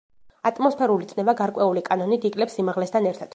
ატმოსფერული წნევა გარკვეული კანონით იკლებს სიმაღლესთან ერთად.